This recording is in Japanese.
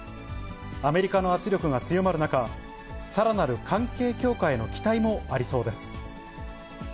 アメリカの圧力が強まる中、さらなる関係強化への期待もありそうです。